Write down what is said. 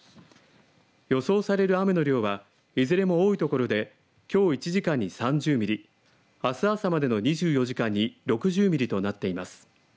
予想される雨の量はいずれも多いところできょう１時間に３０ミリあす朝までの２４時間に６０ミリとなっています。